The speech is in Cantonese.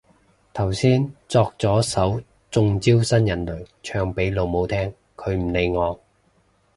頭先作咗首中招新人類唱俾老母聽，佢唔理我